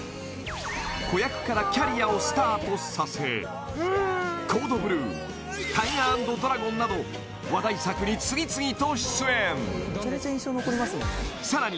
子役からキャリアをスタートさせ「コード・ブルー」「タイガー＆ドラゴン」など話題作に次々と出演さらに